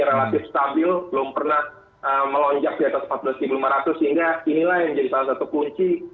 relatif stabil belum pernah melonjak di atas empat belas lima ratus sehingga inilah yang menjadi salah satu kunci